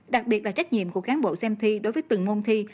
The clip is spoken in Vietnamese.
đặc biệt là trách nhiệm của cán bộ xem thi đối với từng môn thi